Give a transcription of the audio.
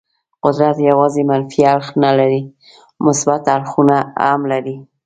قدرت یوازې منفي اړخ نه لري، مثبت اړخونه هم لري.